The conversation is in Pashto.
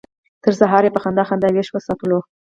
تر سهاره یې په خندا خندا ویښ وساتلو.